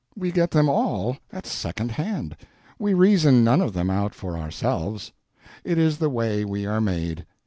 We get them all at second hand, we reason none of them out for ourselves. It is the way we are made.